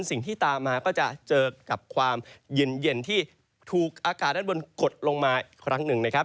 สิ่งที่ตามมาก็จะเจอกับความเย็นที่ถูกอากาศด้านบนกดลงมาอีกครั้งหนึ่งนะครับ